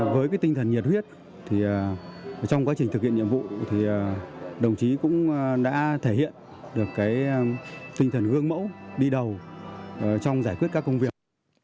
với tinh thần nhiệt huyết trong quá trình thực hiện nhiệm vụ thì đồng chí cũng đã thể hiện được tinh thần gương mẫu đi đầu trong giải quyết các công việc